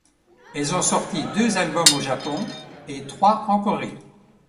Elles ont sorti deux albums au Japon et trois en Corée.